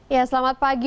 ya selamat pagi